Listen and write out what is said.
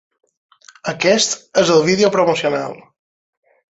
Aquest és el vídeo promocional.